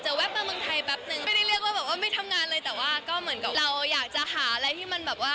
อะไรที่มันแบบว่าท่าทายตัวเองมากกว่านี้